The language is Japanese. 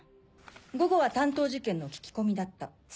午後は担当事件の聞き込みだった。